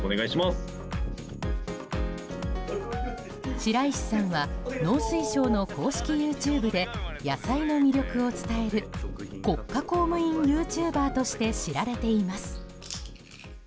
白石さんは農水省の公式ＹｏｕＴｕｂｅで野菜の魅力を伝える国家公務員系ユーチューバーとして知られています。